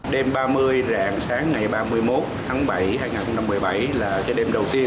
đêm ba mươi rạng sáng ngày ba mươi một tháng bảy hai nghìn một mươi bảy là cái đêm đầu tiên